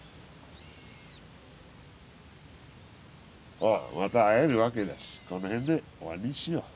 まあまた会えるわけだしこの辺で終わりにしよう。